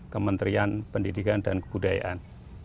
kementerian pendidikan dan kebudayaan